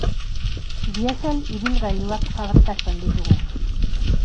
Diesel ibilgailuak fabrikatzen ditugu.